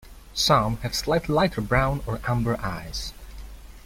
Some have slightly lighter brown or amber eyes.